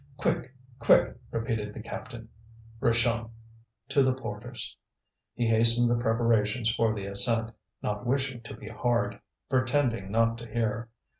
"Quick, quick!" repeated the captain, Richomme, to the porters. He hastened the preparations for the ascent, not wishing to be hard, pretending not to hear.